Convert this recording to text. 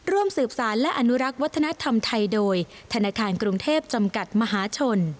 ร่วมสืบสารและอนุรักษ์วัฒนธรรมไทยโดยธนาคารกรุงเทพจำกัดมหาชน